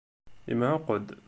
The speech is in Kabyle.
Yemɛuqq-d.